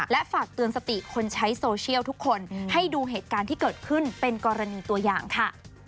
และฝากเตือนสติคนใช้โซเชียลทุกคนให้ดูเหตุการณ์ที่เกิดขึ้นเป็นกรณีตัวอย่างค่ะ